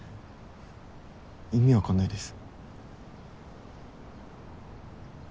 意味分かんないです。